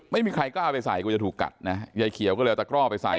ไม่มีใครกล้าเอาไปใส่กลัวจะถูกกัดนะยายเขียวก็เลยเอาตะกร่อไปใส่